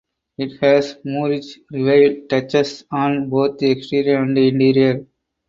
It has Moorish Revival touches on both exterior and interior.